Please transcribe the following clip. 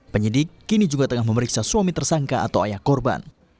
penyidik kini juga tengah memeriksa suami tersangka atau ayah korban